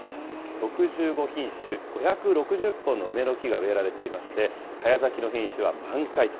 ６５品種５６０本の梅の木が植えられていまして、早咲きの品種は満開と。